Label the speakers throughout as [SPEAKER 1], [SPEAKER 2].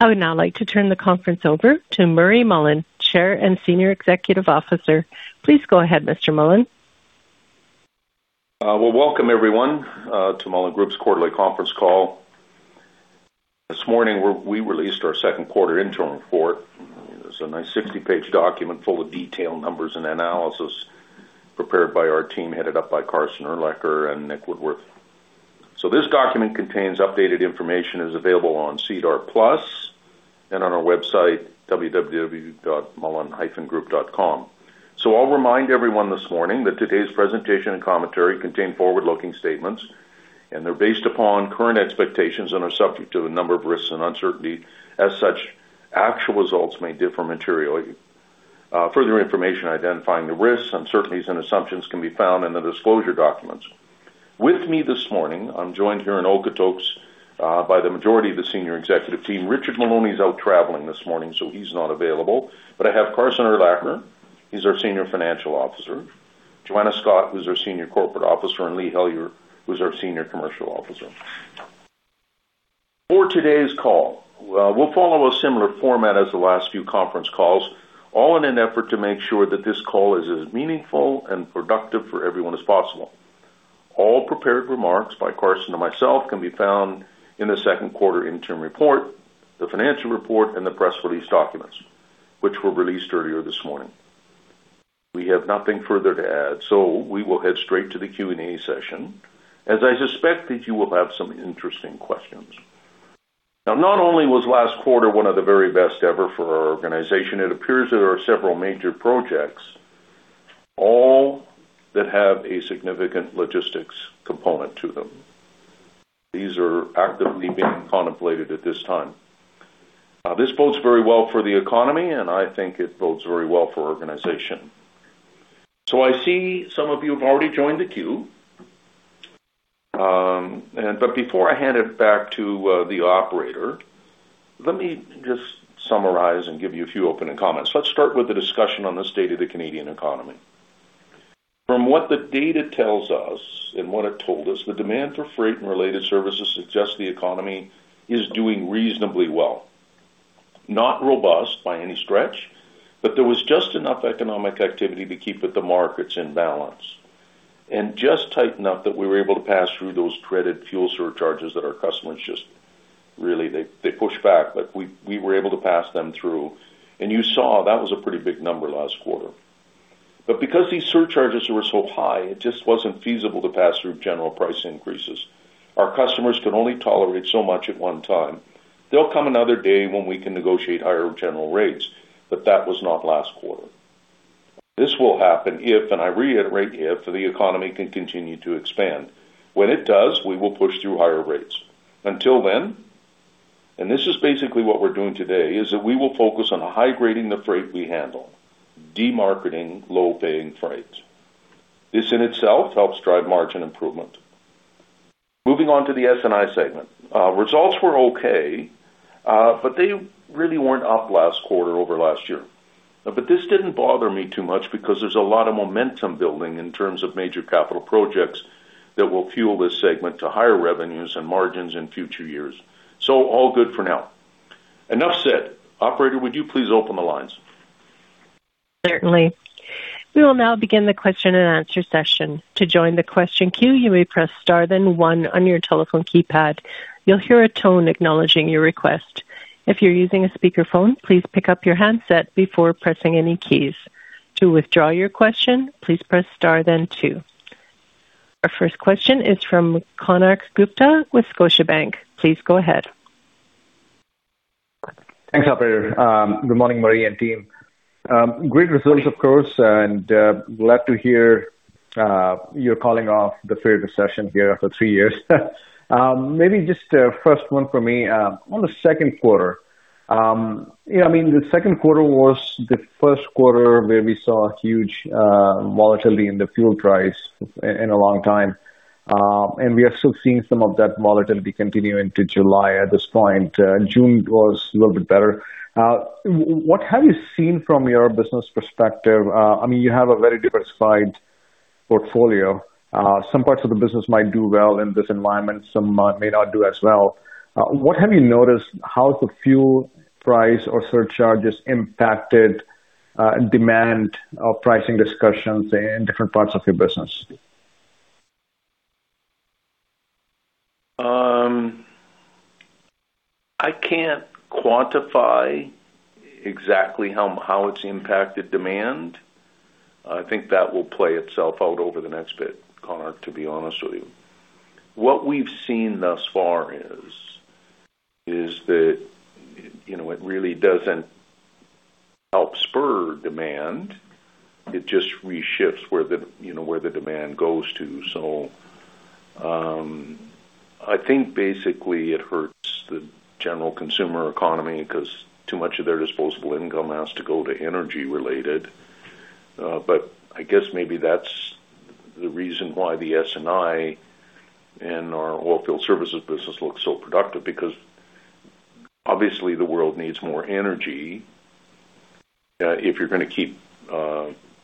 [SPEAKER 1] I would now like to turn the conference over to Murray Mullen, Chair and Senior Executive Officer. Please go ahead, Mr. Mullen.
[SPEAKER 2] Well, welcome everyone, to Mullen Group's quarterly conference call. This morning, we released our second quarter interim report. It's a nice 60-page document full of detailed numbers and analysis prepared by our team, headed up by Carson Urlacher and Nik Woodworth. This document contains updated information, is available on SEDAR+ and on our website, www.mullen-group.com. I'll remind everyone this morning that today's presentation and commentary contain forward-looking statements, they're based upon current expectations and are subject to a number of risks and uncertainty. As such, actual results may differ materially. Further information identifying the risks, uncertainties, and assumptions can be found in the disclosure documents. With me this morning, I'm joined here in Okotoks by the majority of the senior executive team. Richard Maloney is out traveling this morning, so he's not available. I have Carson Urlacher, he's our Senior Financial Officer, Joanna Scott, who's our Senior Corporate Officer, and Lee Hellyer, who's our Senior Commercial Officer. For today's call, we'll follow a similar format as the last few conference calls, all in an effort to make sure that this call is as meaningful and productive for everyone as possible. All prepared remarks by Carson and myself can be found in the second quarter interim report, the financial report, and the press release documents, which were released earlier this morning. We have nothing further to add, we will head straight to the Q&A session, as I suspect that you will have some interesting questions. Now, not only was last quarter one of the very best ever for our organization, it appears there are several major projects, all that have a significant logistics component to them. These are actively being contemplated at this time. This bodes very well for the economy, I think it bodes very well for our organization. I see some of you have already joined the queue. Before I hand it back to the operator, let me just summarize and give you a few opening comments. Let's start with the discussion on the state of the Canadian economy. From what the data tells us and what it told us, the demand for freight and related services suggests the economy is doing reasonably well. Not robust by any stretch, there was just enough economic activity to keep the markets in balance. Just tight enough that we were able to pass through those credit fuel surcharges that our customers really, they push back, but we were able to pass them through. You saw that was a pretty big number last quarter. Because these surcharges were so high, it just wasn't feasible to pass through general price increases. Our customers can only tolerate so much at one time. There'll come another day when we can negotiate higher general rates, that was not last quarter. This will happen if, and I reiterate if, the economy can continue to expand. When it does, we will push through higher rates. Until then, this is basically what we're doing today, is that we will focus on high-grading the freight we handle, demarketing low-paying freights. This in itself helps drive margin improvement. Moving on to the S&I segment. Results were okay, but they really weren't up last quarter over last year. This didn't bother me too much because there's a lot of momentum building in terms of major capital projects that will fuel this segment to higher revenues and margins in future years. All good for now. Enough said. Operator, would you please open the lines?
[SPEAKER 1] Certainly. We will now begin the question and answer session. To join the question queue, you may press star then one on your telephone keypad. You'll hear a tone acknowledging your request. If you're using a speakerphone, please pick up your handset before pressing any keys. To withdraw your question, please press star then two. Our first question is from Konark Gupta with Scotiabank. Please go ahead.
[SPEAKER 3] Thanks, operator. Good morning, Murray and team. Great results, of course, glad to hear you're calling off the freight recession here after three years. Maybe just first one for me, on the second quarter. The second quarter was the first quarter where we saw a huge volatility in the fuel price in a long time. We are still seeing some of that volatility continuing to July at this point. June was a little bit better. What have you seen from your business perspective? You have a very diversified portfolio. Some parts of the business might do well in this environment, some may not do as well. What have you noticed how the fuel price or surcharges impacted demand of pricing discussions in different parts of your business?
[SPEAKER 2] I can't quantify exactly how it's impacted demand. I think that will play itself out over the next bit, Konark, to be honest with you. What we've seen thus far is that it really doesn't help spur demand. It just reships where the demand goes to. I think basically it hurts the general consumer economy because too much of their disposable income has to go to energy related. I guess maybe that's the reason why the S&I and our oilfield services business looks so productive because obviously the world needs more energy if you're going to keep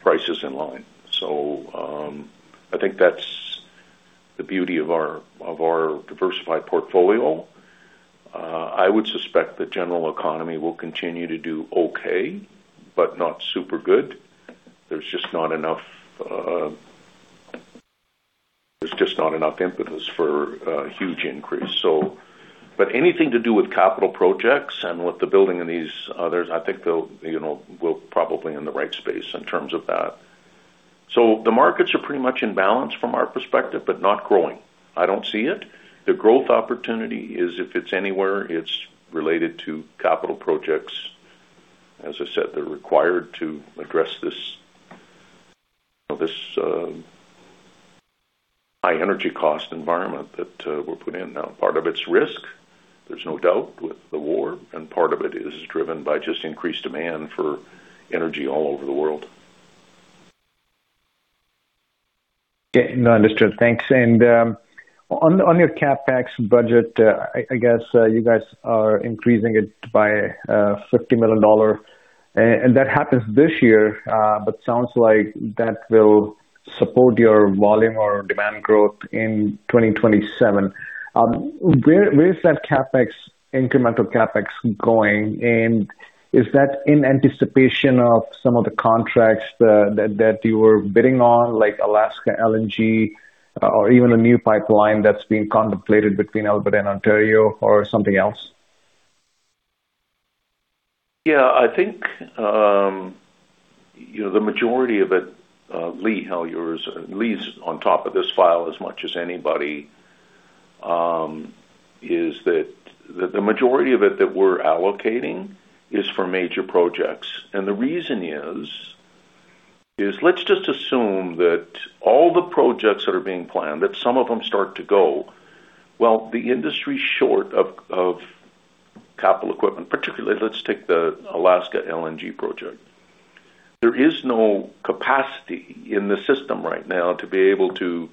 [SPEAKER 2] prices in line. I think that's the beauty of our diversified portfolio. I would suspect the general economy will continue to do okay, but not super good. There's just not enough impetus for a huge increase. Anything to do with capital projects and with the building of these others, I think we're probably in the right space in terms of that. The markets are pretty much in balance from our perspective, but not growing. I don't see it. The growth opportunity is, if it's anywhere, it's related to capital projects. As I said, they're required to address this high energy cost environment that we're put in now. Part of it's risk, there's no doubt, with the war, and part of it is driven by just increased demand for energy all over the world.
[SPEAKER 3] Okay. No, understood. Thanks. On your CapEx budget, I guess you guys are increasing it by 50 million dollar, and that happens this year. Sounds like that will support your volume or demand growth in 2027. Where is that incremental CapEx going? Is that in anticipation of some of the contracts that you were bidding on, like Alaska LNG or even a new pipeline that's being contemplated between Alberta and Ontario or something else?
[SPEAKER 2] I think the majority of it, Lee Hellyer is on top of this file as much as anybody, is that the majority of it that we're allocating is for major projects. The reason is, let's just assume that all the projects that are being planned, that some of them start to go. The industry's short of capital equipment, particularly let's take the Alaska LNG project. There is no capacity in the system right now to be able to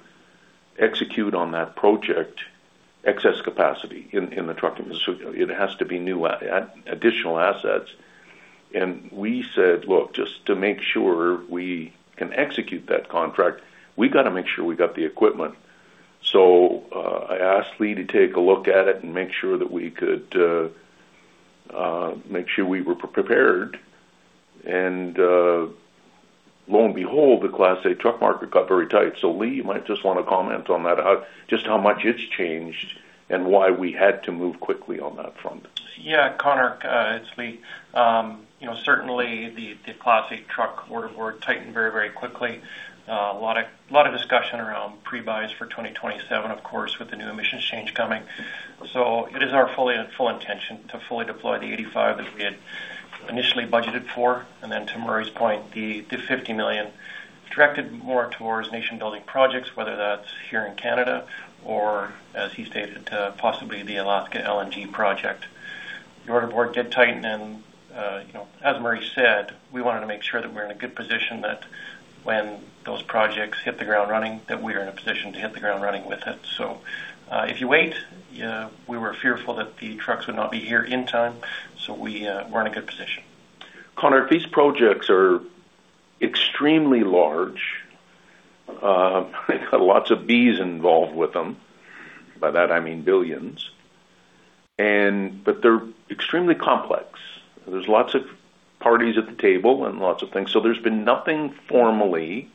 [SPEAKER 2] execute on that project, excess capacity in the trucking. It has to be new, additional assets. We said, "Look, just to make sure we can execute that contract, we've got to make sure we got the equipment." I asked Lee to take a look at it and make sure we were prepared. Lo and behold, the Class 8 truck market got very tight. Lee, you might just want to comment on that, just how much it's changed and why we had to move quickly on that front.
[SPEAKER 4] Konark, it's Lee. Certainly the Class 8 truck order board tightened very quickly. A lot of discussion around pre-buys for 2027, of course, with the new emissions change coming. It is our full intention to fully deploy the 85 that we had initially budgeted for. Then to Murray's point, the 50 million directed more towards nation-building projects, whether that's here in Canada or, as he stated, possibly the Alaska LNG project. The order board did tighten and as Murray said, we wanted to make sure that we're in a good position that when those projects hit the ground running, that we are in a position to hit the ground running with it. If you wait, we were fearful that the trucks would not be here in time, so we weren't in a good position.
[SPEAKER 2] Konark, these projects are extremely large. They've got lots of Bs involved with them. By that I mean billions. They're extremely complex. There's lots of parties at the table and lots of things. There's been nothing formally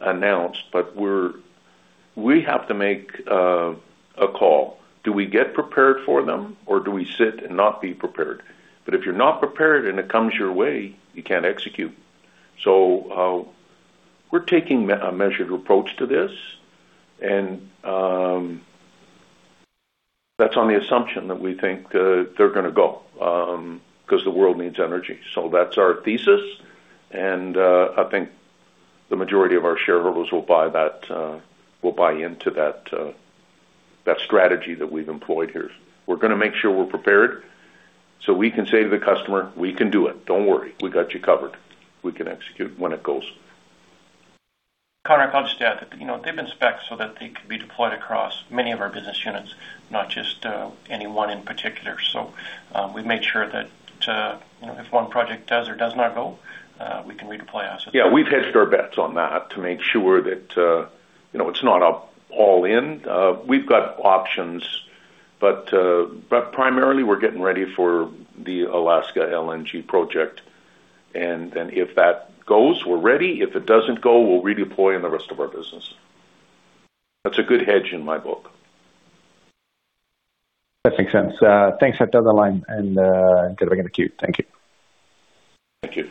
[SPEAKER 2] announced, but we have to make a call. Do we get prepared for them or do we sit and not be prepared? If you're not prepared and it comes your way, you can't execute. We're taking a measured approach to this, and that's on the assumption that we think they're going to go because the world needs energy. That's our thesis, and I think the majority of our shareholders will buy into that strategy that we've employed here. We're going to make sure we're prepared so we can say to the customer, "We can do it. Don't worry, we got you covered." We can execute when it goes.
[SPEAKER 4] Konark, I'll just add that they've been specced so that they can be deployed across many of our business units, not just any one in particular. We've made sure that if one project does or does not go, we can redeploy assets.
[SPEAKER 2] Yeah, we've hedged our bets on that to make sure that it's not all in. We've got options. Primarily, we're getting ready for the Alaska LNG project. If that goes, we're ready. If it doesn't go, we'll redeploy in the rest of our business. That's a good hedge in my book.
[SPEAKER 3] That makes sense. Thanks. That does align and get back in the queue. Thank you.
[SPEAKER 2] Thank you.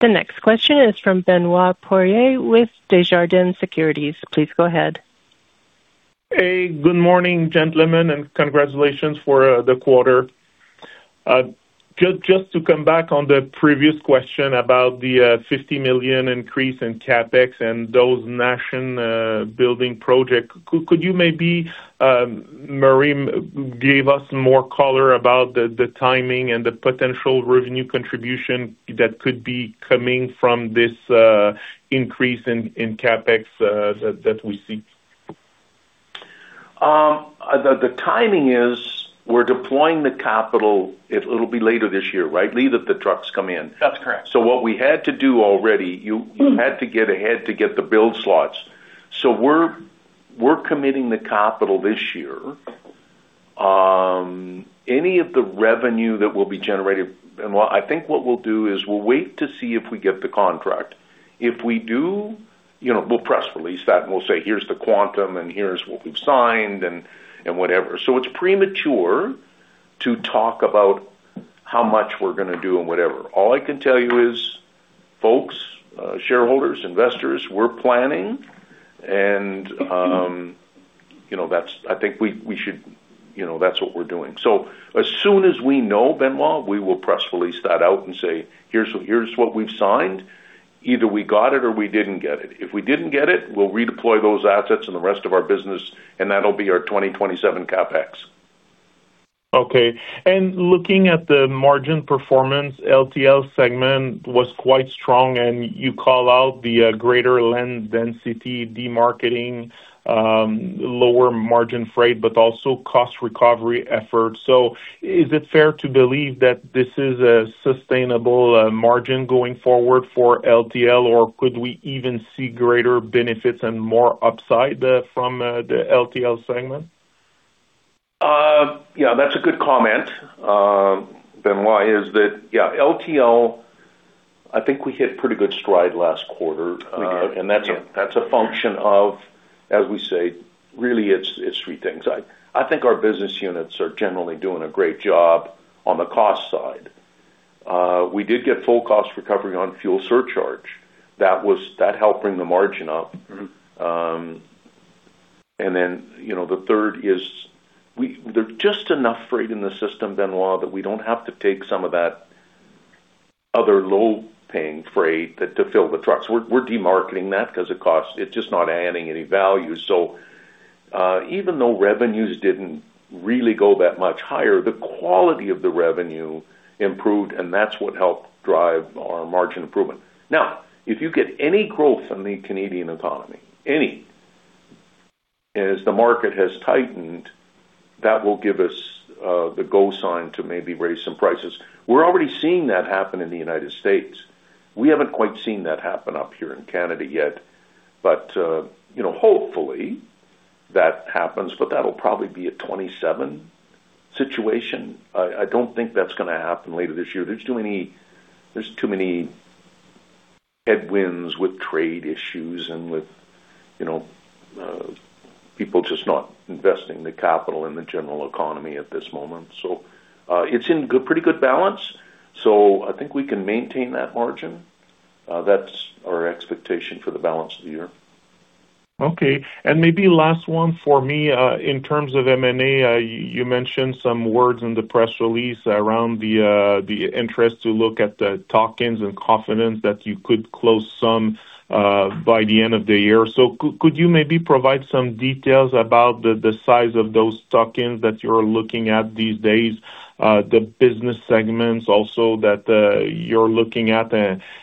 [SPEAKER 1] The next question is from Benoit Poirier with Desjardins Securities. Please go ahead.
[SPEAKER 5] Good morning, gentlemen, congratulations for the quarter. Just to come back on the previous question about the 50 million increase in CapEx and those nation-building projects. Could you maybe, Murray, give us more color about the timing and the potential revenue contribution that could be coming from this increase in CapEx that we see?
[SPEAKER 2] The timing is we're deploying the capital, it'll be later this year, right? Lee, that the trucks come in.
[SPEAKER 4] That's correct.
[SPEAKER 2] What we had to do already, you had to get ahead to get the build slots. We're committing the capital this year. Any of the revenue that will be generated, I think what we'll do is we'll wait to see if we get the contract. If we do, we'll press release that, we'll say, "Here's the quantum, and here's what we've signed," and whatever. It's premature to talk about how much we're going to do and whatever. All I can tell you is, folks, shareholders, investors, we're planning and I think that's what we're doing. As soon as we know, Benoit, we will press release that out and say, "Here's what we've signed." Either we got it or we didn't get it. If we didn't get it, we'll redeploy those assets in the rest of our business, that'll be our 2027 CapEx.
[SPEAKER 5] Okay. Looking at the margin performance, LTL segment was quite strong, and you call out the greater lane density, demarketing, lower margin freight, but also cost recovery efforts. Is it fair to believe that this is a sustainable margin going forward for LTL, or could we even see greater benefits and more upside from the LTL segment?
[SPEAKER 2] Yeah, that's a good comment, Benoit, is that LTL, I think we hit pretty good stride last quarter.
[SPEAKER 4] We did. Yeah.
[SPEAKER 2] That's a function of, as we say, really it's three things. I think our business units are generally doing a great job on the cost side. We did get full cost recovery on fuel surcharge. That helped bring the margin up. The third is, there's just enough freight in the system, Benoit, that we don't have to take some of that other low-paying freight to fill the trucks. We're demarketing that because it's just not adding any value. Even though revenues didn't really go that much higher, the quality of the revenue improved, and that's what helped drive our margin improvement. If you get any growth in the Canadian economy, any, as the market has tightened, that will give us the go sign to maybe raise some prices. We're already seeing that happen in the United States. We haven't quite seen that happen up here in Canada yet. Hopefully that happens, but that'll probably be a 2027 situation. I don't think that's going to happen later this year. There's too many headwinds with trade issues and with people just not investing the capital in the general economy at this moment. It's in pretty good balance, so I think we can maintain that margin. That's our expectation for the balance of the year.
[SPEAKER 5] Okay. Maybe last one for me. In terms of M&A, you mentioned some words in the press release around the interest to look at the tuck-ins and confidence that you could close some by the end of the year. Could you maybe provide some details about the size of those tuck-ins that you're looking at these days, the business segments also that you're looking at,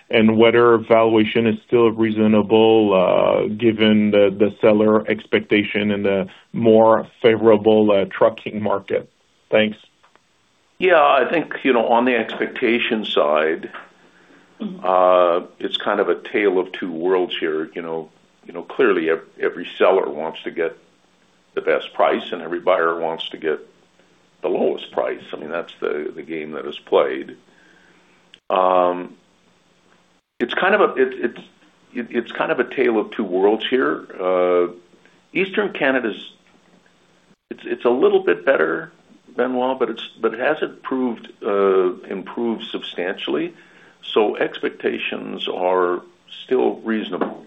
[SPEAKER 5] and whether valuation is still reasonable given the seller expectation in the more favorable trucking market? Thanks.
[SPEAKER 2] Yeah. I think on the expectation side, it's a tale of two worlds here. Clearly, every seller wants to get the best price, and every buyer wants to get the lowest price. That's the game that is played. It's a tale of two worlds here. Eastern Canada, it's a little bit better, Benoit, but it hasn't improved substantially, so expectations are still reasonable.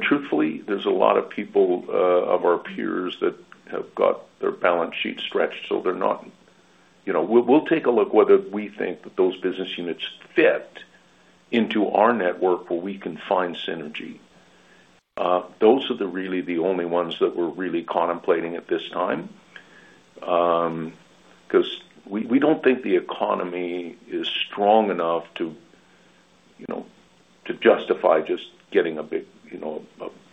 [SPEAKER 2] Truthfully, there's a lot of people of our peers that have got their balance sheet stretched, so they're not We'll take a look whether we think that those business units fit into our network where we can find synergy. Those are really the only ones that we're really contemplating at this time. We don't think the economy is strong enough to justify just getting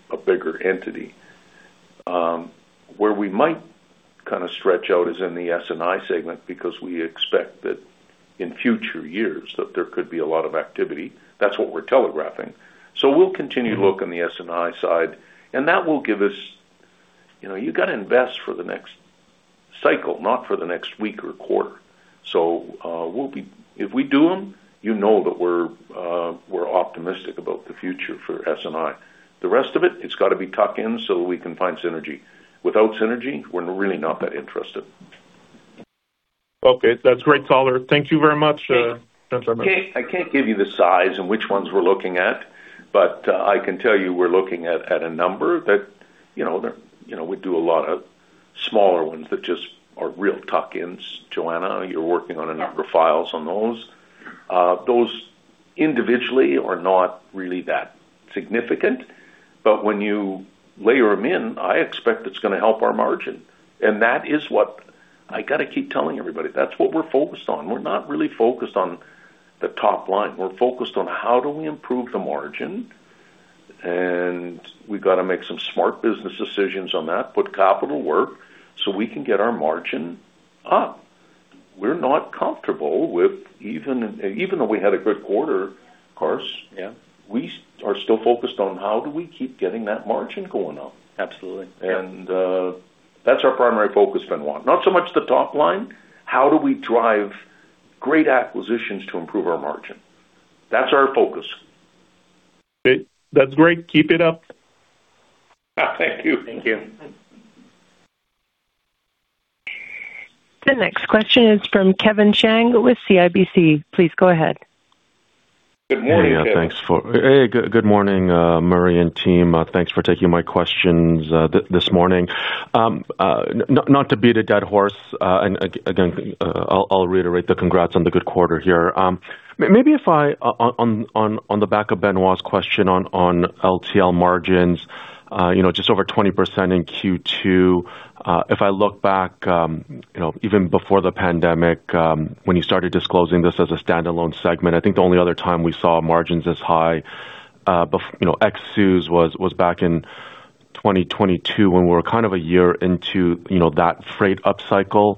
[SPEAKER 2] a bigger entity. Where we might stretch out is in the S&I segment because we expect that in future years that there could be a lot of activity. That's what we're telegraphing. We'll continue to look on the S&I side, and that will give us. You've got to invest for the next cycle, not for the next week or quarter. If we do them, you know that we're optimistic about the future for S&I. The rest of it's got to be tuck-ins so we can find synergy. Without synergy, we're really not that interested.
[SPEAKER 5] Okay. That's great, color. Thank you very much. That's all for us.
[SPEAKER 2] I can't give you the size and which ones we're looking at, I can tell you we're looking at a number that we do a lot of smaller ones that just are real tuck-ins. Joanna, you're working on a number of files on those. Those individually are not really that significant, when you layer them in, I expect it's going to help our margin. That is what I got to keep telling everybody. That's what we're focused on. We're not really focused on the top line. We're focused on how do we improve the margin, we've got to make some smart business decisions on that. Put capital to work so we can get our margin up. We're not comfortable with Even though we had a good quarter, Carson.
[SPEAKER 6] Yeah.
[SPEAKER 2] We are still focused on how do we keep getting that margin going up.
[SPEAKER 6] Absolutely.
[SPEAKER 2] That's our primary focus, Benoit. Not so much the top line. How do we drive great acquisitions to improve our margin? That's our focus.
[SPEAKER 5] Okay. That's great. Keep it up.
[SPEAKER 2] Thank you.
[SPEAKER 6] Thank you.
[SPEAKER 1] The next question is from Kevin Chiang with CIBC. Please go ahead.
[SPEAKER 2] Good morning, Kevin.
[SPEAKER 7] Thanks for taking my questions this morning. Hey, good morning, Murray and team. Again, I'll reiterate the congrats on the good quarter here. Maybe if I, on the back of Benoit's question on LTL margins, just over 20% in Q2. If I look back, even before the pandemic, when you started disclosing this as a stand-alone segment, I think the only other time we saw margins this high ex fuel was back in 2022 when we were a year into that freight upcycle.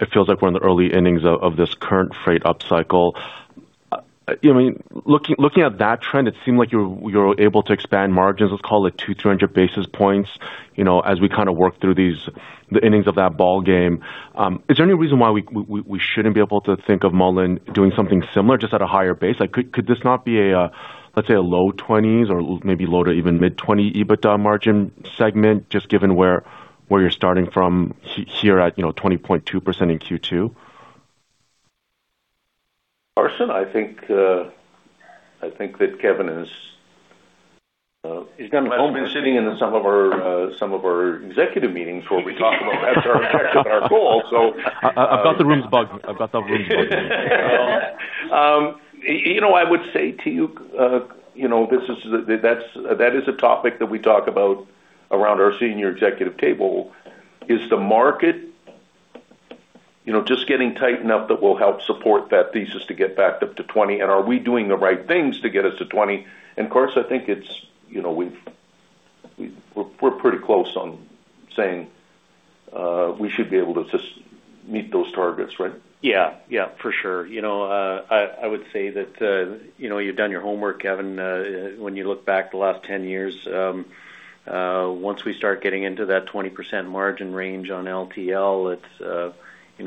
[SPEAKER 7] It feels like we're in the early innings of this current freight upcycle. Looking at that trend, it seemed like you were able to expand margins, let's call it 200 basis points as we work through the innings of that ballgame. Is there any reason why we shouldn't be able to think of Mullen doing something similar, just at a higher base? Could this not be a, let's say, a low 20s or maybe low to even mid-20% EBITDA margin segment, just given where you're starting from here at 20.2% in Q2?
[SPEAKER 2] Carson, I think that Kevin's going to have been sitting in some of our executive meetings where we talk about that as our call.
[SPEAKER 7] I've got the rooms bugged.
[SPEAKER 2] I would say to you, that is a topic that we talk about around our senior executive table, is the market just getting tight enough that will help support that thesis to get back up to 20%, and are we doing the right things to get us to 20%? Carson, I think we're pretty close on saying we should be able to just meet those targets, right?
[SPEAKER 6] Yeah. For sure. I would say that you've done your homework, Kevin. When you look back the last 10 years, once we start getting into that 20% margin range on LTL,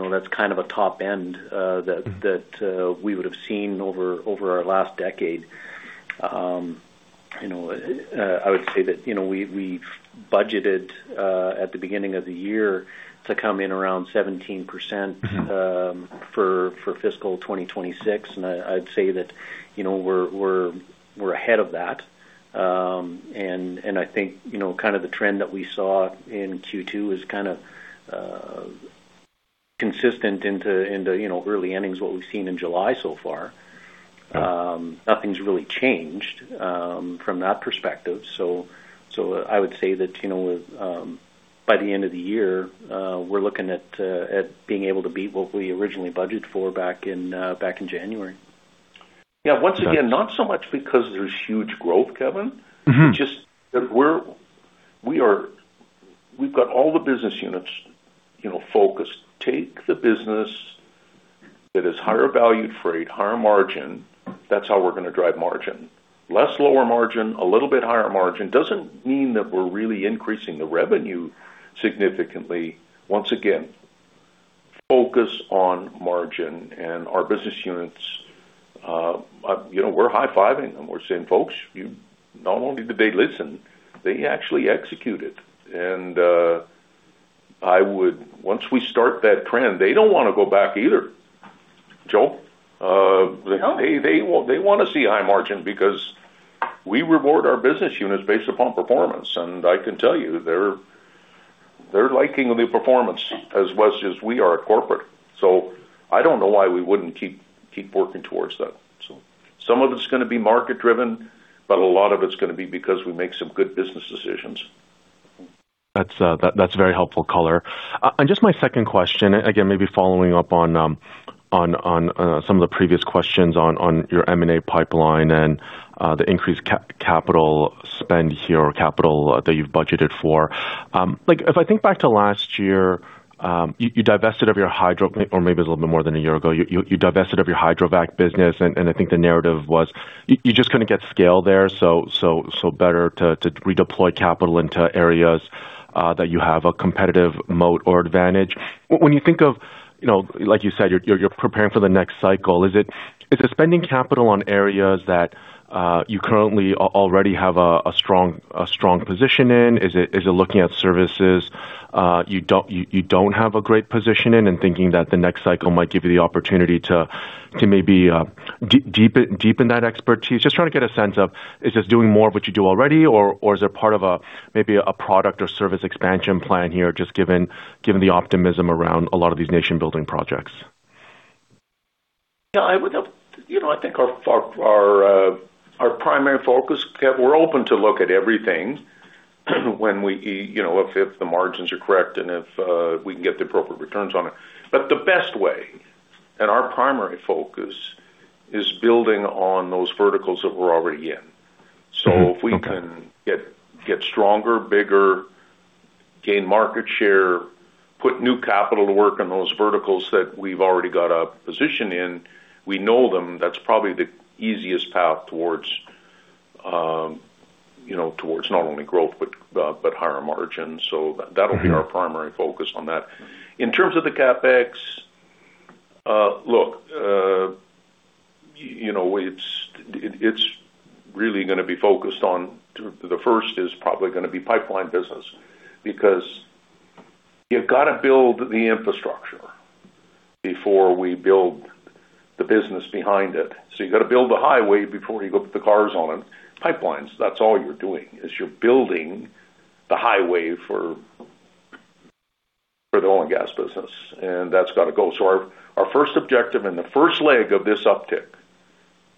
[SPEAKER 6] that's a top end that we would have seen over our last decade. I would say that we budgeted at the beginning of the year to come in around 17% for fiscal 2026. I'd say that we're ahead of that. I think the trend that we saw in Q2 is consistent into early innings what we've seen in July so far. Nothing's really changed from that perspective. I would say that by the end of the year, we're looking at being able to beat what we originally budgeted for back in January.
[SPEAKER 2] Yeah. Once again, not so much because there's huge growth, Kevin. We've got all the business units focused. Take the business that is higher valued freight, higher margin. That's how we're going to drive margin. Less lower margin, a little bit higher margin doesn't mean that we're really increasing the revenue significantly. Once again, focus on margin and our business units. We're high-fiving them. We're saying, folks, not only did they listen, they actually executed. Once we start that trend, they don't want to go back either, you know. They want to see high margin because we reward our business units based upon performance, and I can tell you they're liking the performance as much as we are at corporate. I don't know why we wouldn't keep working towards that. Some of it's going to be market driven, but a lot of it's going to be because we make some good business decisions.
[SPEAKER 7] That's very helpful color. Just my second question, again, maybe following up on some of the previous questions on your M&A pipeline and the increased capital spend here or capital that you've budgeted for. If I think back to last year, or maybe it's a little bit more than a year ago, you divested of your hydrovac business, and I think the narrative was you just couldn't get scale there, so better to redeploy capital into areas that you have a competitive moat or advantage. When you think of, like you said, you're preparing for the next cycle. Is it spending capital on areas that you currently already have a strong position in? Is it looking at services you don't have a great position in and thinking that the next cycle might give you the opportunity to maybe deepen that expertise? Just trying to get a sense of, is this doing more of what you do already, or is it part of maybe a product or service expansion plan here, just given the optimism around a lot of these nation-building projects?
[SPEAKER 2] Yeah. I think our primary focus, we're open to look at everything if the margins are correct and if we can get the appropriate returns on it. The best way, and our primary focus, is building on those verticals that we're already in.
[SPEAKER 7] Okay.
[SPEAKER 2] If we can get stronger, bigger, gain market share, put new capital to work on those verticals that we've already got a position in, we know them, that's probably the easiest path towards not only growth but higher margins. That'll be our primary focus on that. In terms of the CapEx, look, it's really going to be focused on the first is probably going to be pipeline business, because you've got to build the infrastructure before we build the business behind it. You've got to build the highway before you put the cars on it. Pipelines, that's all you're doing, is you're building the highway for the oil and gas business, and that's got to go. Our first objective and the first leg of this uptick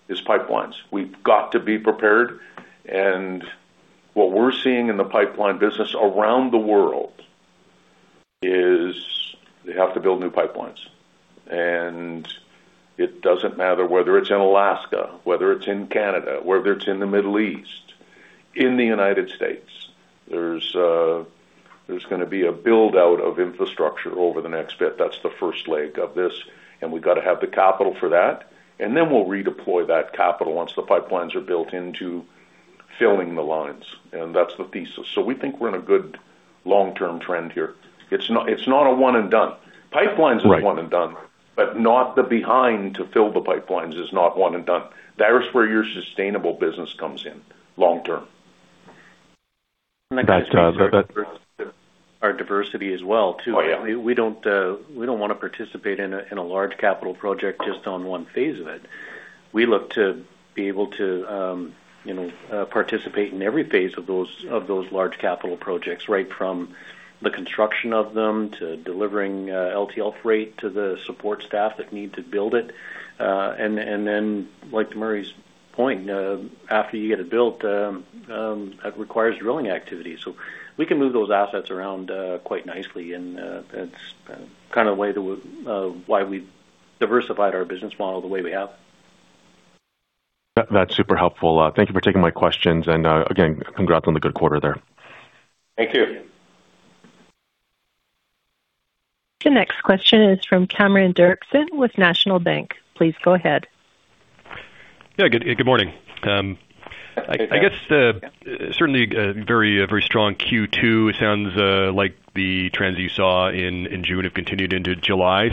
[SPEAKER 2] is pipelines. We've got to be prepared, what we're seeing in the pipeline business around the world is they have to build new pipelines. It doesn't matter whether it's in Alaska, whether it's in Canada, whether it's in the Middle East, in the United States. There's going to be a build-out of infrastructure over the next bit. That's the first leg of this, we've got to have the capital for that. Then we'll redeploy that capital once the pipelines are built into filling the lines. That's the thesis. We think we're in a good long-term trend here. It's not a one and done. Pipelines are one and done, but not the behind to fill the pipelines is not one and done. That is where your sustainable business comes in long term.
[SPEAKER 7] That's-
[SPEAKER 6] I guess our diversity as well, too.
[SPEAKER 2] Oh, yeah.
[SPEAKER 6] We don't want to participate in a large capital project just on one phase of it. We look to be able to participate in every phase of those large capital projects, right from the construction of them to delivering LTL freight to the support staff that need to build it. Like to Murray's point, after you get it built, that requires drilling activity. We can move those assets around quite nicely, and that's kind of why we've diversified our business model the way we have.
[SPEAKER 7] That's super helpful. Thank you for taking my questions, and again, congrats on the good quarter there.
[SPEAKER 2] Thank you.
[SPEAKER 1] The next question is from Cameron Doerksen with National Bank. Please go ahead.
[SPEAKER 8] Yeah, good morning.
[SPEAKER 2] Good morning.
[SPEAKER 8] I guess, certainly a very strong Q2. It sounds like the trends you saw in June have continued into July,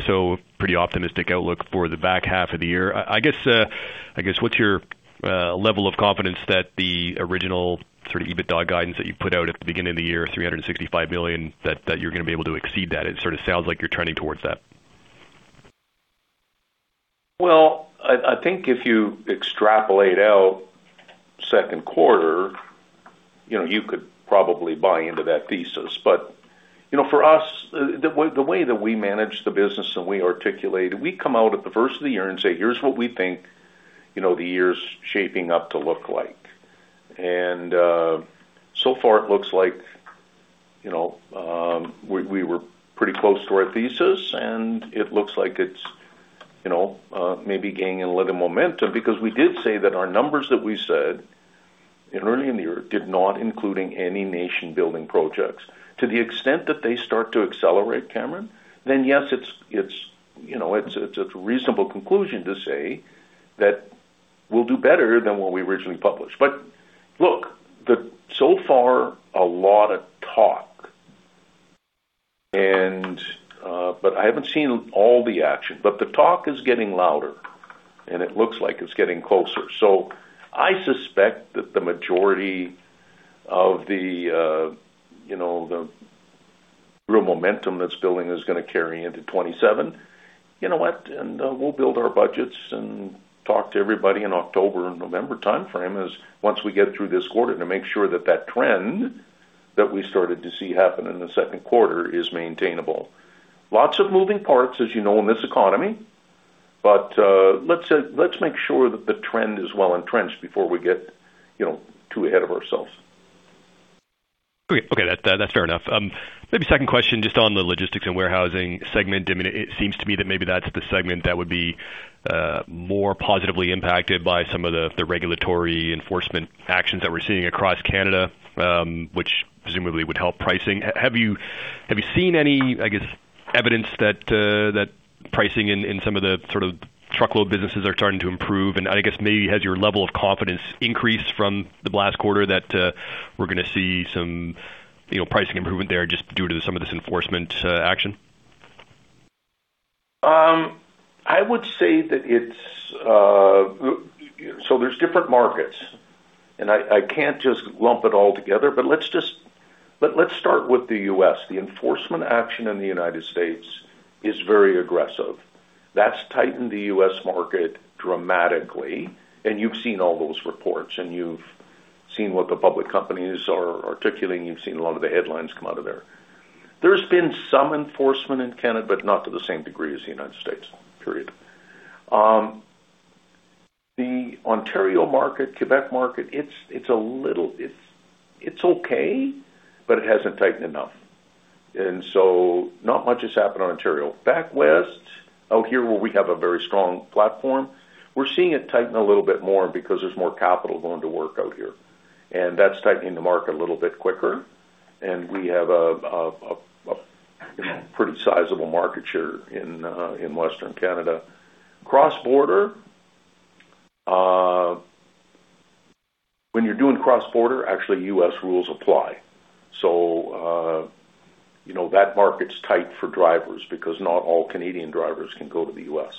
[SPEAKER 8] pretty optimistic outlook for the back half of the year. I guess, what's your level of confidence that the original sort of EBITDA guidance that you put out at the beginning of the year, 365 million, that you're going to be able to exceed that? It sort of sounds like you're trending towards that.
[SPEAKER 2] I think if you extrapolate out second quarter, you could probably buy into that thesis. For us, the way that we manage the business and we articulate it, we come out at the first of the year and say, "Here's what we think the year's shaping up to look like." So far, it looks like we were pretty close to our thesis, and it looks like it's maybe gaining a little momentum because we did say that our numbers that we said early in the year did not including any nation-building projects. To the extent that they start to accelerate, Cameron, yes, it's a reasonable conclusion to say that we'll do better than what we originally published. Look, so far, a lot of talk, but I haven't seen all the action. The talk is getting louder, and it looks like it's getting closer. I suspect that the majority of the real momentum that's building is going to carry into 2027. You know what? We'll build our budgets and talk to everybody in October and November timeframe as once we get through this quarter to make sure that that trend that we started to see happen in the second quarter is maintainable. Lots of moving parts, as you know, in this economy. Let's make sure that the trend is well entrenched before we get too ahead of ourselves.
[SPEAKER 8] Okay. That's fair enough. Maybe second question, just on the Logistics & Warehousing segment. It seems to me that maybe that's the segment that would be more positively impacted by some of the regulatory enforcement actions that we're seeing across Canada, which presumably would help pricing. Have you seen any, I guess, evidence that pricing in some of the sort of truckload businesses are starting to improve? I guess maybe has your level of confidence increased from the last quarter that we're going to see some pricing improvement there just due to some of this enforcement action?
[SPEAKER 2] I would say that there's different markets, and I can't just lump it all together, but let's start with the U.S. The enforcement action in the United States is very aggressive. That's tightened the U.S. market dramatically, and you've seen all those reports, and you've seen what the public companies are articulating. You've seen a lot of the headlines come out of there. There's been some enforcement in Canada, but not to the same degree as the United States, period. The Ontario market, Quebec market, it's okay, but it hasn't tightened enough. Not much has happened on Ontario. Back west, out here where we have a very strong platform, we're seeing it tighten a little bit more because there's more capital going to work out here, and that's tightening the market a little bit quicker. We have a pretty sizable market share in Western Canada. Cross-border, when you're doing cross-border, actually U.S. rules apply. That market's tight for drivers because not all Canadian drivers can go to the U.S.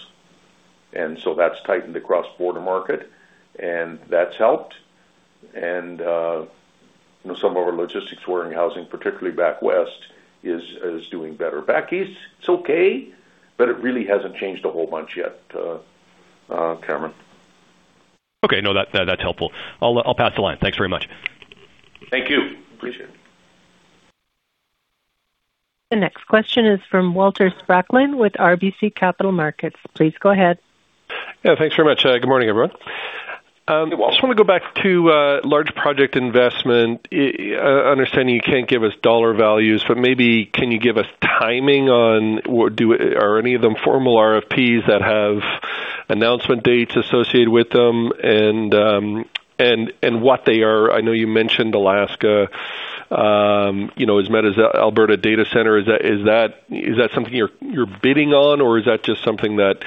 [SPEAKER 2] That's tightened the cross-border market, and that's helped. Some of our Logistics & Warehousing, particularly back west, is doing better. Back east, it's okay, but it really hasn't changed a whole bunch yet, Cameron.
[SPEAKER 8] Okay. No, that's helpful. I'll pass the line. Thanks very much.
[SPEAKER 2] Thank you. Appreciate it.
[SPEAKER 1] The next question is from Walter Spracklin with RBC Capital Markets. Please go ahead.
[SPEAKER 9] Yeah, thanks very much. Good morning, everyone. I just want to go back to large project investment. Understanding you can't give us dollar values, but maybe can you give us timing on, are any of them formal RFPs that have announcement dates associated with them and what they are? I know you mentioned Alaska. As a matter of Alberta data center, is that something you're bidding on, or is that just something that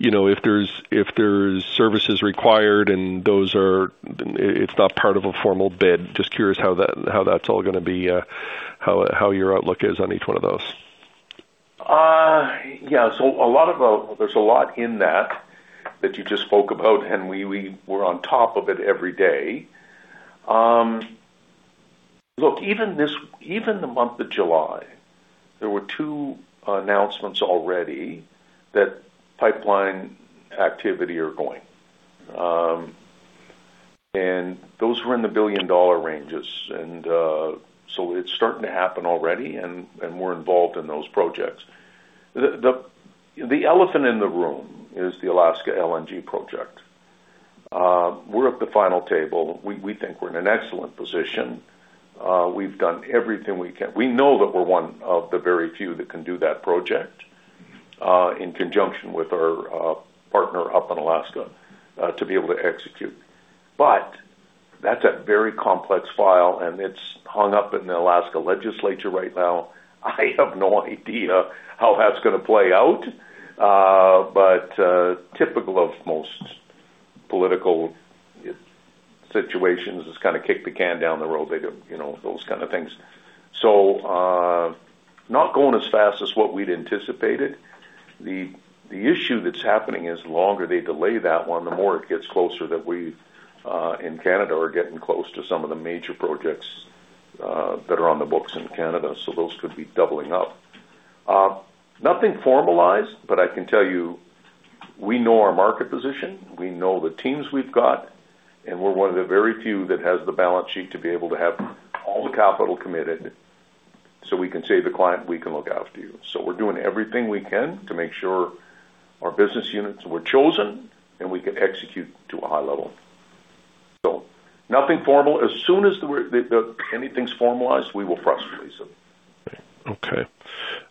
[SPEAKER 9] if there's services required, and it's not part of a formal bid? Just curious how that's all going to be, how your outlook is on each one of those.
[SPEAKER 2] Yeah. There's a lot in that you just spoke about, and we're on top of it every day. Look, even the month of July, there were two announcements already that pipeline activity are going. Those were in the billion-dollar ranges. It's starting to happen already, and we're involved in those projects. The elephant in the room is the Alaska LNG project. We're at the final table. We think we're in an excellent position. We've done everything we can. We know that we're one of the very few that can do that project, in conjunction with our partner up in Alaska, to be able to execute. That's a very complex file, and it's hung up in the Alaska legislature right now. I have no idea how that's going to play out. Typical of most political situations, just kind of kick the can down the road. They do those kind of things. Not going as fast as what we'd anticipated. The issue that's happening is the longer they delay that one, the more it gets closer that we in Canada are getting close to some of the major projects that are on the books in Canada. Those could be doubling up. Nothing formalized, I can tell you, we know our market position, we know the teams we've got, and we're one of the very few that has the balance sheet to be able to have all the capital committed, so we can say to the client, "We can look after you." We're doing everything we can to make sure our business units were chosen, and we can execute to a high level. Nothing formal. As soon as anything's formalized, we will press release it.
[SPEAKER 9] Okay.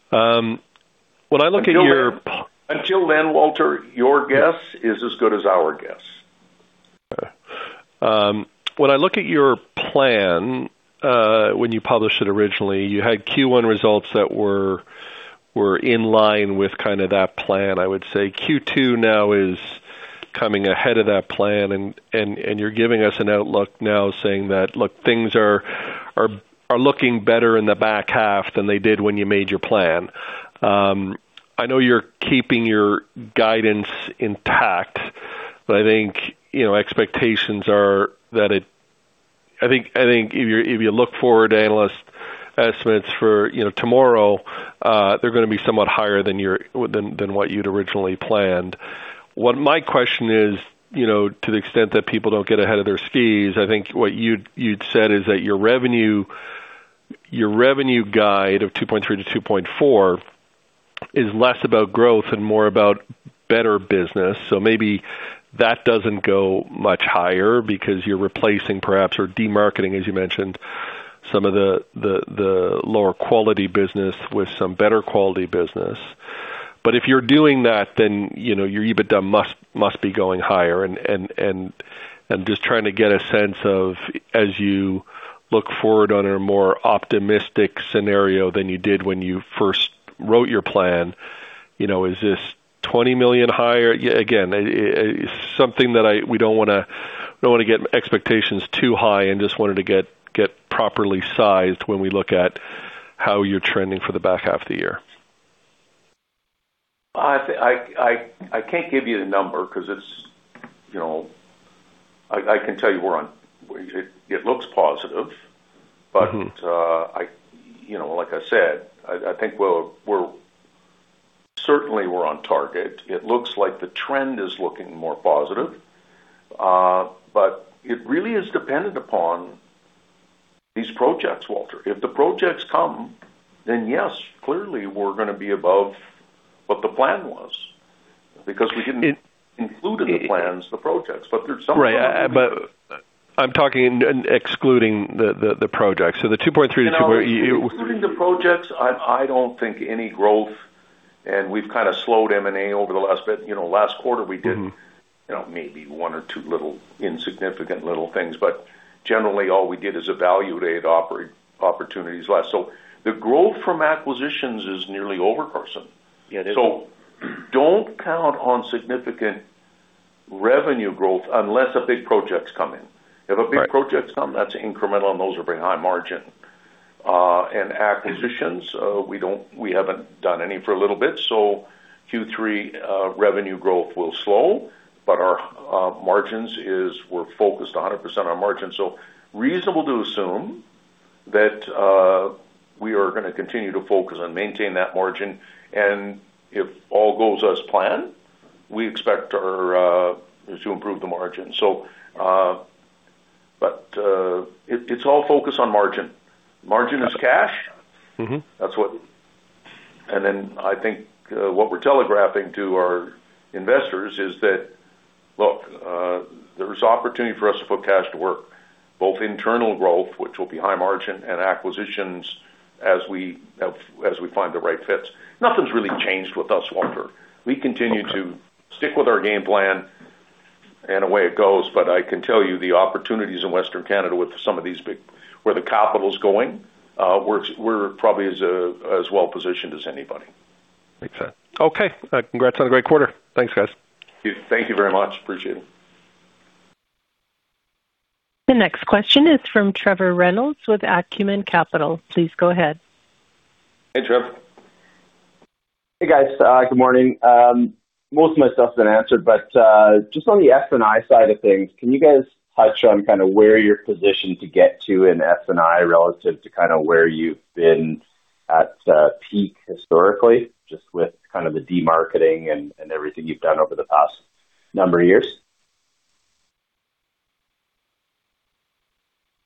[SPEAKER 9] When I look at your-
[SPEAKER 2] Until then, Walter, your guess is as good as our guess.
[SPEAKER 9] Okay. When I look at your plan, when you published it originally, you had Q1 results that were in line with kind of that plan. I would say Q2 now is coming ahead of that plan. You're giving us an outlook now saying that, look, things are looking better in the back half than they did when you made your plan. I know you're keeping your guidance intact, I think expectations are that I think if you look forward to analyst estimates for tomorrow, they're going to be somewhat higher than what you'd originally planned. What my question is, to the extent that people don't get ahead of their skis, I think what you'd said is that your revenue guide of 2.3 billion-2.4 billion is less about growth and more about better business. Maybe that doesn't go much higher because you're replacing perhaps or demarketing, as you mentioned, some of the lower quality business with some better quality business. If you're doing that, your EBITDA must be going higher. Just trying to get a sense of, as you look forward on a more optimistic scenario than you did when you first wrote your plan, is this 20 million higher? Again, something that we don't want to get expectations too high and just wanted to get properly sized when we look at how you're trending for the back half of the year.
[SPEAKER 2] I can't give you the number because it looks positive. Like I said, I think we're certainly, we're on target. It looks like the trend is looking more positive. It really is dependent upon these projects, Walter. If the projects come, then yes, clearly we're going to be above what the plan was, because we didn't include in the plans, the projects.
[SPEAKER 9] Right. I'm talking excluding the projects.
[SPEAKER 2] Including the projects, I don't think any growth, and we've kind of slowed M&A over the last bit. Last quarter we did maybe one or two insignificant little things, generally all we did is evaluate opportunities less. The growth from acquisitions is nearly over, Carson.
[SPEAKER 6] Yeah, it is.
[SPEAKER 2] Don't count on significant revenue growth unless a big project's coming.
[SPEAKER 6] Right.
[SPEAKER 2] If a big project's come, that's incremental, and those are very high margin. Acquisitions, we haven't done any for a little bit, so Q3 revenue growth will slow, but our margins is we're focused 100% on margin. Reasonable to assume that we are going to continue to focus on maintaining that margin, and if all goes as planned, we expect to improve the margin. It's all focused on margin. Margin is cash. I think what we're telegraphing to our investors is that, look, there is opportunity for us to put cash to work, both internal growth, which will be high margin, and acquisitions as we find the right fits. Nothing's really changed with us, Walter.
[SPEAKER 9] Okay.
[SPEAKER 2] We continue to stick with our game plan and away it goes. I can tell you, the opportunities in Western Canada with some of these big where the capital's going, we're probably as well-positioned as anybody.
[SPEAKER 9] Makes sense. Okay. Congrats on a great quarter. Thanks, guys.
[SPEAKER 2] Thank you very much. Appreciate it.
[SPEAKER 1] The next question is from Trevor Reynolds with Acumen Capital. Please go ahead.
[SPEAKER 2] Hey, Trevor.
[SPEAKER 10] Hey, guys. Good morning. Most of my stuff's been answered, but just on the S&I side of things, can you guys touch on kind of where you're positioned to get to in S&I relative to kind of where you've been at peak historically, just with kind of the demarketing and everything you've done over the past number of years?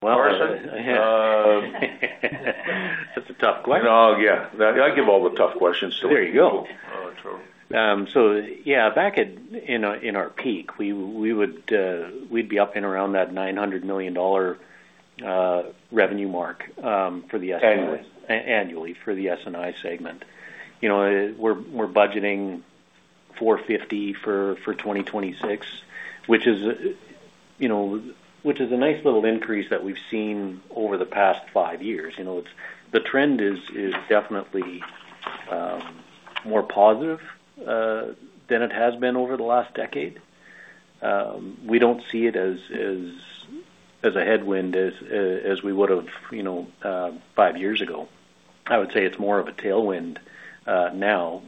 [SPEAKER 2] Carson?
[SPEAKER 6] Well. That's a tough question.
[SPEAKER 2] Yeah. I give all the tough questions to him.
[SPEAKER 6] There you go.
[SPEAKER 2] All right, Trevor.
[SPEAKER 6] Yeah, back in our peak, we'd be up and around that 900 million dollar revenue mark for the S&I.
[SPEAKER 2] Annually.
[SPEAKER 6] Annually for the S&I segment. We're budgeting 450 million for 2026, which is a nice little increase that we've seen over the past five years. The trend is definitely more positive than it has been over the last decade. We don't see it as a headwind as we would've five years ago. I would say it's more of a tailwind now.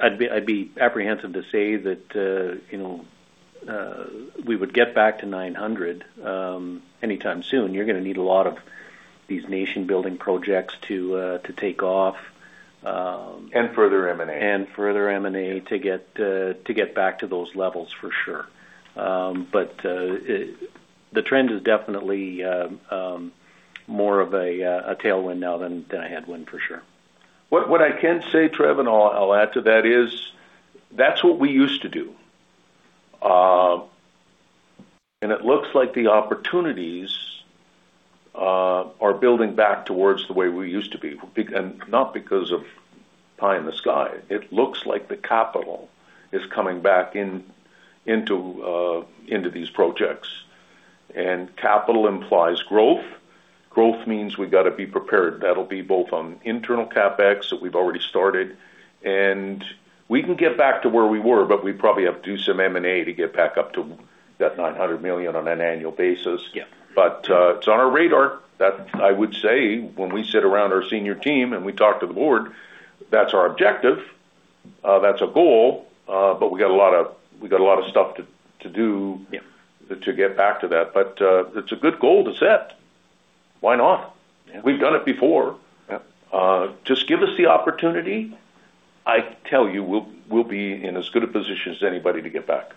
[SPEAKER 6] I'd be apprehensive to say that we would get back to 900 anytime soon. You're going to need a lot of these nation-building projects to take off.
[SPEAKER 2] Further M&A.
[SPEAKER 6] Further M&A to get back to those levels, for sure. The trend is definitely more of a tailwind now than a headwind, for sure.
[SPEAKER 2] What I can say, Trevor, I'll add to that is, that's what we used to do. It looks like the opportunities are building back towards the way we used to be. Not because of pie in the sky. It looks like the capital is coming back into these projects. Capital implies growth. Growth means we've got to be prepared. That'll be both on internal CapEx that we've already started. We can get back to where we were, but we probably have to do some M&A to get back up to that 900 million on an annual basis.
[SPEAKER 6] Yeah.
[SPEAKER 2] It's on our radar. That I would say when we sit around our senior team and we talk to the board, that's our objective. That's a goal. We got a lot of stuff to do.
[SPEAKER 6] Yeah
[SPEAKER 2] To get back to that. It's a good goal to set. Why not?
[SPEAKER 6] Yeah.
[SPEAKER 2] We've done it before.
[SPEAKER 6] Yeah.
[SPEAKER 2] Just give us the opportunity. I tell you, we'll be in as good a position as anybody to get back.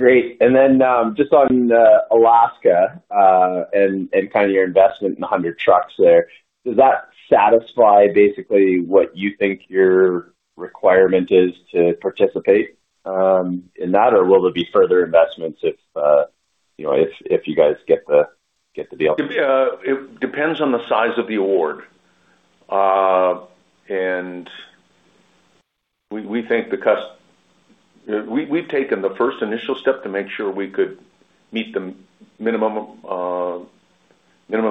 [SPEAKER 10] Great. Then just on Alaska LNG, and kind of your investment in 100 trucks there, does that satisfy basically what you think your requirement is to participate in that, or will there be further investments if you guys get the deal?
[SPEAKER 2] It depends on the size of the award. We've taken the first initial step to make sure we could meet the minimum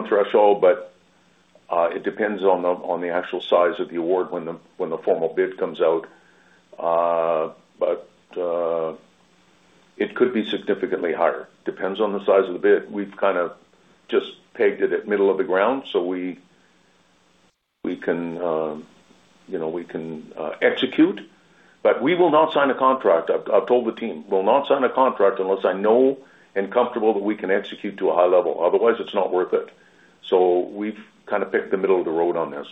[SPEAKER 2] threshold, it depends on the actual size of the award when the formal bid comes out. It could be significantly higher. Depends on the size of the bid. We've kind of just pegged it at middle of the ground. We can execute, but we will not sign a contract. I've told the team. We'll not sign a contract unless I know and comfortable that we can execute to a high level. Otherwise, it's not worth it. We've kind of picked the middle of the road on this.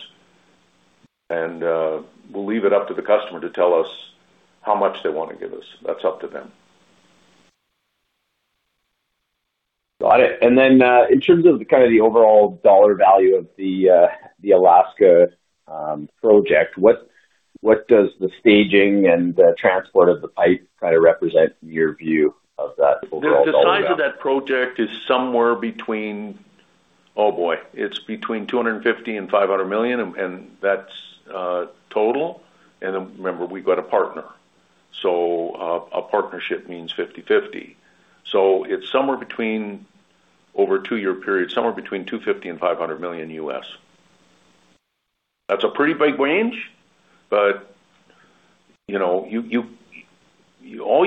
[SPEAKER 2] We'll leave it up to the customer to tell us how much they want to give us. That's up to them.
[SPEAKER 10] Got it. In terms of kind of the overall dollar value of the Alaska project, what does the staging and the transport of the pipe kind of represent from your view of that overall dollar value?
[SPEAKER 2] The size of that project is somewhere between Oh, boy. It is between $250 million and $500 million, and that is total. Remember, we have got a partner. A partnership means 50/50. It is somewhere between, over a two-year period, somewhere between $250 million and $500 million U.S. That is a pretty big range. All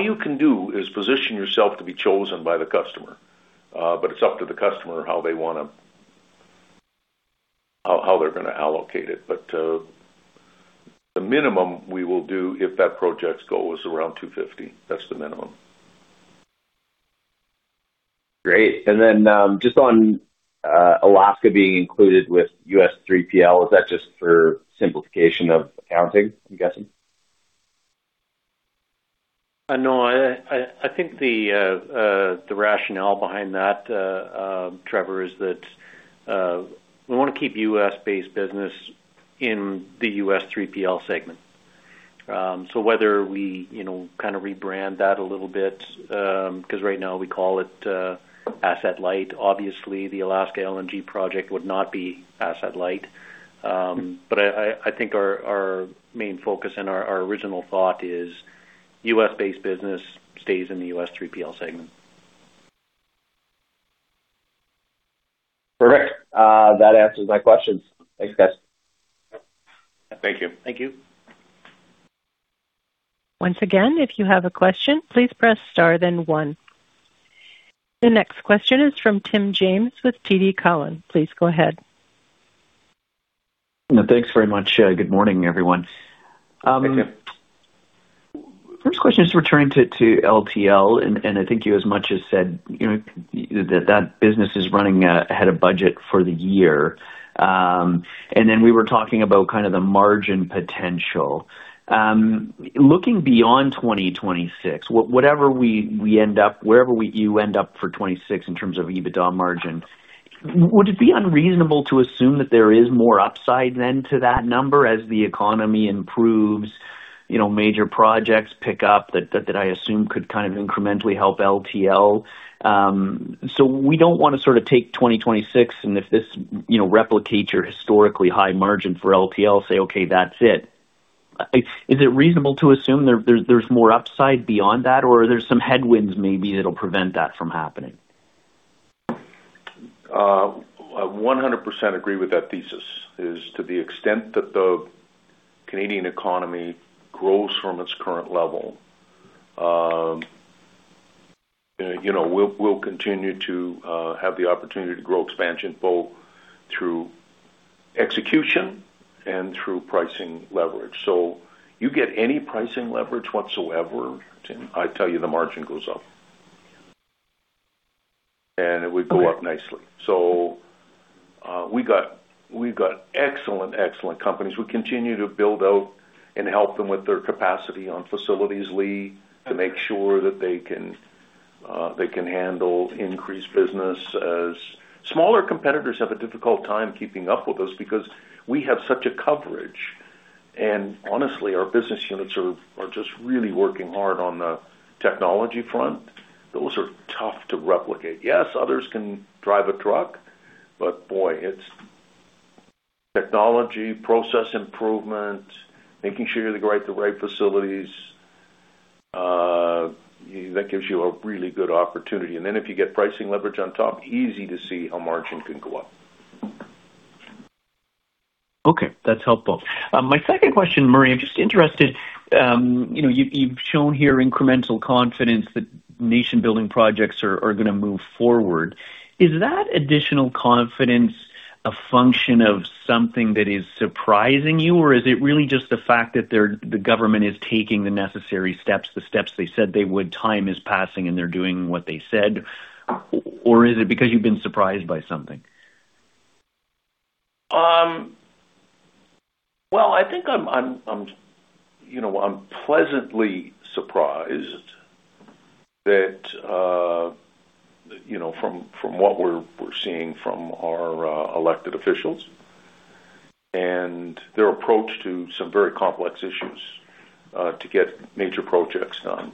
[SPEAKER 2] you can do is position yourself to be chosen by the customer. It is up to the customer how they are going to allocate it. The minimum we will do, if that project goes around $250 million, that is the minimum.
[SPEAKER 10] Great. Just on Alaska being included with U.S. 3PL, is that just for simplification of accounting, I am guessing?
[SPEAKER 6] No. I think the rationale behind that, Trevor, is that we want to keep U.S.-based business in the U.S. 3PL segment. Whether we kind of rebrand that a little bit, because right now we call it asset-light. Obviously, the Alaska LNG project would not be asset-light. I think our main focus and our original thought is U.S.-based business stays in the U.S. 3PL segment.
[SPEAKER 10] Perfect. That answers my questions. Thanks, guys.
[SPEAKER 2] Thank you.
[SPEAKER 6] Thank you.
[SPEAKER 1] Once again, if you have a question, please press star then one. The next question is from Tim James with TD Cowen. Please go ahead.
[SPEAKER 11] Thanks very much. Good morning, everyone.
[SPEAKER 2] Thank you.
[SPEAKER 11] First question is returning to LTL, I think you as much as said that that business is running ahead of budget for the year. We were talking about kind of the margin potential. Looking beyond 2026, wherever you end up for 2026 in terms of EBITDA margin, would it be unreasonable to assume that there is more upside than to that number as the economy improves, major projects pick up that I assume could kind of incrementally help LTL? We don't want to sort of take 2026 and if this replicates your historically high margin for LTL, say, okay, that's it. Is it reasonable to assume there is more upside beyond that, or are there some headwinds maybe that'll prevent that from happening?
[SPEAKER 2] I 100% agree with that thesis, is to the extent that the Canadian economy grows from its current level, we'll continue to have the opportunity to grow expansion both through execution and through pricing leverage. You get any pricing leverage whatsoever, Tim, I tell you, the margin goes up. It would go up nicely. We've got excellent companies. We continue to build out and help them with their capacity on facilities, Lee, to make sure that they can handle increased business as smaller competitors have a difficult time keeping up with us because we have such a coverage. Honestly, our business units are just really working hard on the technology front. Those are tough to replicate. Yes, others can drive a truck, but boy, it's technology, process improvement, making sure you're at the right facilities. That gives you a really good opportunity. If you get pricing leverage on top, easy to see how margin can go up.
[SPEAKER 11] That's helpful. My second question, Murray, I'm just interested. You've shown here incremental confidence that nation-building projects are going to move forward. Is that additional confidence a function of something that is surprising you, or is it really just the fact that the government is taking the necessary steps, the steps they said they would, time is passing, and they're doing what they said? Is it because you've been surprised by something?
[SPEAKER 2] I think I'm pleasantly surprised that from what we're seeing from our elected officials and their approach to some very complex issues to get major projects done.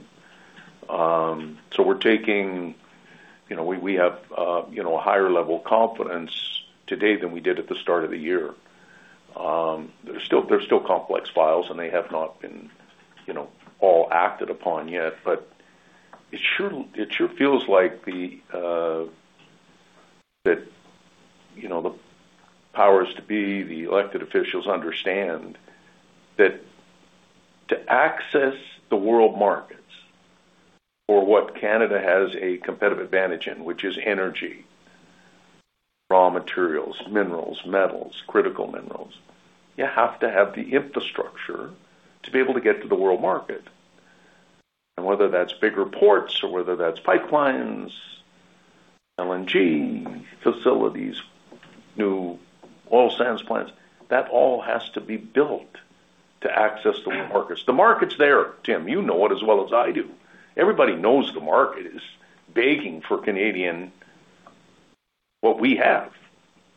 [SPEAKER 2] We have a higher level of confidence today than we did at the start of the year. They're still complex files, and they have not been all acted upon yet. It sure feels like the powers to be, the elected officials understand that to access the world market for what Canada has a competitive advantage in, which is energy, raw materials, minerals, metals, critical minerals. You have to have the infrastructure to be able to get to the world market. Whether that's bigger ports or whether that's pipelines, LNG facilities, new oil sands plants, that all has to be built to access the world markets. The market's there, Tim. You know it as well as I do. Everybody knows the market is begging for Canadian, what we have.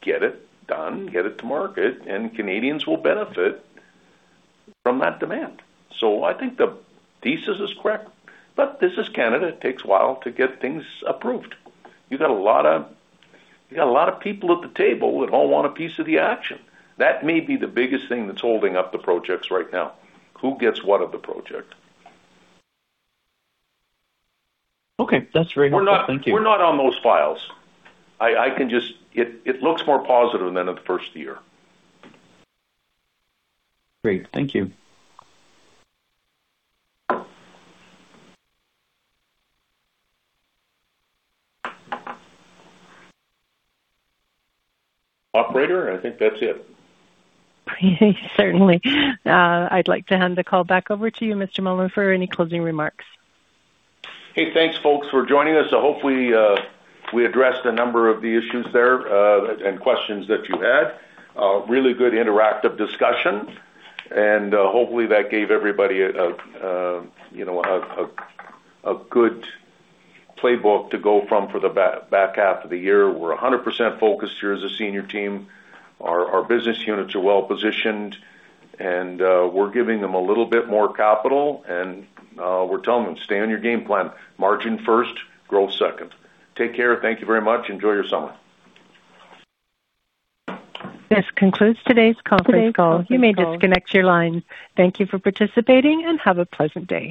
[SPEAKER 2] Get it done, get it to market, and Canadians will benefit from that demand. I think the thesis is correct, but this is Canada. It takes a while to get things approved. You got a lot of people at the table that all want a piece of the action. That may be the biggest thing that's holding up the projects right now. Who gets what of the project?
[SPEAKER 11] Okay, that's very helpful. Thank you.
[SPEAKER 2] We're not on those files. It looks more positive than in the first year.
[SPEAKER 11] Great, thank you.
[SPEAKER 2] Operator, I think that's it.
[SPEAKER 1] Certainly. I'd like to hand the call back over to you, Mr. Mullen, for any closing remarks.
[SPEAKER 2] Hey, thanks folks for joining us. Hopefully, we addressed a number of the issues there, and questions that you had. A really good interactive discussion, and hopefully, that gave everybody a good playbook to go from for the back half of the year. We're 100% focused here as a senior team. Our business units are well-positioned, and we're giving them a little bit more capital, and we're telling them, "Stay on your game plan. Margin first, growth second." Take care, thank you very much. Enjoy your summer.
[SPEAKER 1] This concludes today's conference call. You may disconnect your line. Thank you for participating and have a pleasant day.